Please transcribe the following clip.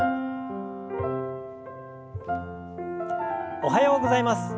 おはようございます。